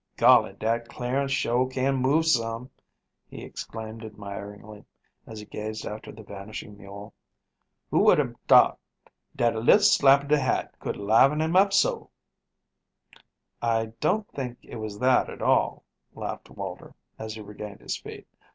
"Golly, dat Clarence sho' can move some," he exclaimed admiringly, as he gazed after the vanishing mule. "Who would hab thought dat a little slap of the hat could liven him up so?" "I don't think it was that, at all," laughed Walter, as he regained his feet.